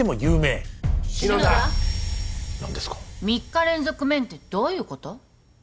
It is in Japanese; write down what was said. ３日連続麺ってどういうこと？